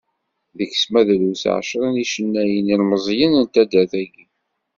Deg-s ma drus ɛecra n yicennayen ilmeẓyen n taddart-agi.